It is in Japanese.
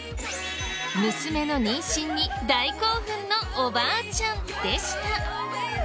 娘の妊娠に大興奮のおばあちゃんでした。